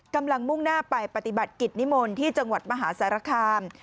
มุ่งหน้าไปปฏิบัติกิจนิมนต์ที่จังหวัดมหาสารคาม